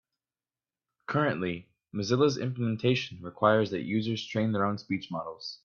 Currently, Mozilla's implementation requires that users train their own speech models.